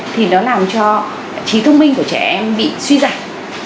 thì nó làm cho trí thông minh của trẻ em bị suy giảm